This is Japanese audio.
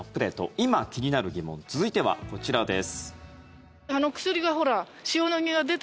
今、気になる疑問続いてはこちらです。